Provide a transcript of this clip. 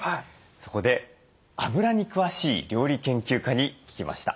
そこであぶらに詳しい料理研究家に聞きました。